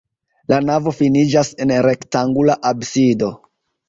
La navo finiĝas en rektangula absido.